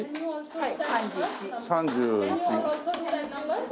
はい。